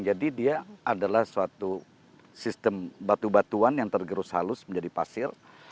jadi dia adalah suatu sistem batu batuan yang tergerus halus menjadi pasir